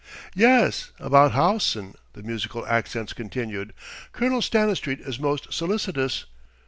"Yes about Howson," the musical accents continued, "Colonel Stanistreet is most solicitous...."